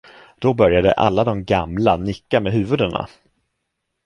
Då började alla de gamla nicka med huvudena.